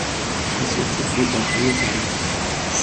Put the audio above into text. پاس توپ به داخل زمین